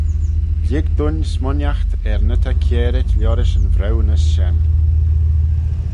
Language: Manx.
Lhig dooin smooinaght er ny ta kiarit liorish yn vriwnys shen.